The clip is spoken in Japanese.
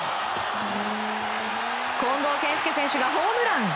近藤健介選手がホームラン！